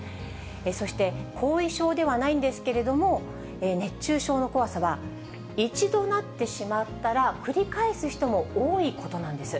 そして、後遺症ではないんですけれども、熱中症の怖さは、一度なってしまったら、繰り返す人も多いことなんです。